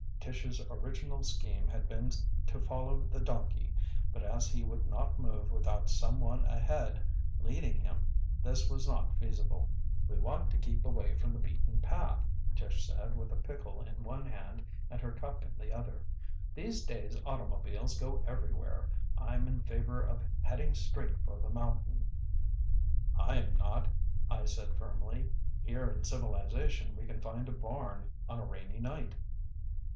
Tish's original scheme had been to follow the donkey; but as he would not move without some one ahead, leading him, this was not feasible. "We want to keep away from the beaten path," Tish said with a pickle in one hand and her cup in the other. "These days automobiles go everywhere. I'm in favor of heading straight for the mountain." "I'm not," I said firmly. "Here in civilization we can find a barn on a rainy night."